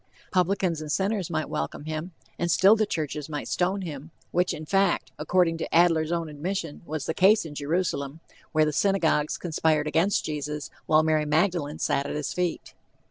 "Publicans and sinners" might welcome him, and still the churches might stone him, which in fact, according to Adler's own admission, was the case in Jerusalem, where the synagogues conspired against Jesus, while Mary Magdalene sat at his feet.